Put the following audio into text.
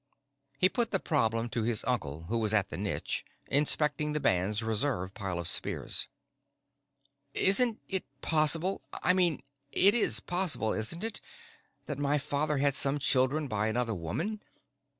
He put the problem to his uncle who was at the niche, inspecting the band's reserve pile of spears. "Isn't it possible I mean, it is possible, isn't it that my father had some children by another woman?